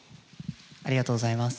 ありがとうございます。